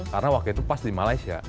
karena waktu itu pas di malaysia